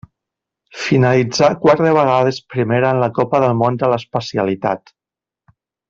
Finalitzà quatre vegades primera en la Copa del Món de l'especialitat.